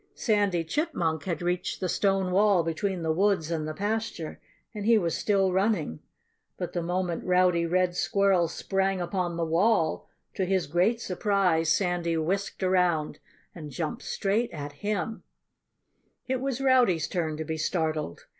Sandy Chipmunk had reached the stone wall between the woods and the pasture. And he was still running. But the moment Rowdy Red Squirrel sprang upon the wall, to his great surprise Sandy whisked around and jumped straight at him. It was Rowdy's turn to be startled.